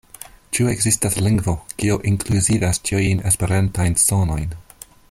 Ĉu ekzistas lingvo, kiu inkluzivas ĉiujn esperantajn sonojn?